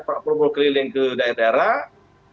pak prabowo keliling ke daerah daerah